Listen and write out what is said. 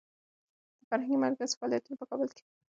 د فرهنګي مرکز فعالیتونه په کابل کې مرکزي و.